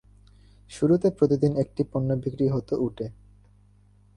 শুরুতে প্রতিদিন একটি পণ্য বিক্রি হতো উটে।